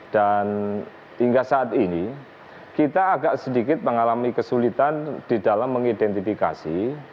dan hingga saat ini kita agak sedikit mengalami kesulitan di dalam mengidentifikasi